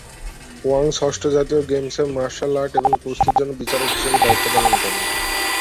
Wang ষষ্ঠ জাতীয় গেমসে মার্শাল আর্ট এবং কুস্তির জন্য বিচারক হিসেবে দায়িত্ব পালন করেন।